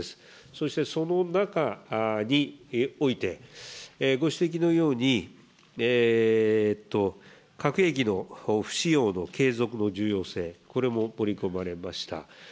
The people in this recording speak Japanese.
そしてその中において、ご指摘のように、核兵器の不使用の継続の重要性、これも盛り込まれました。